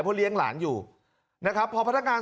เพราะเลี้ยงหลานอยู่นะครับพอพนักงาน